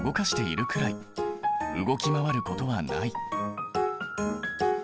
動き回ることはない。